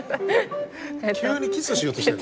急にキスしようとした？